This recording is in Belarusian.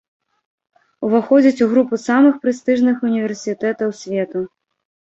Уваходзіць у групу самых прэстыжных універсітэтаў свету.